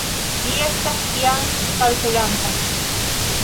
Li estas jam kalkulanta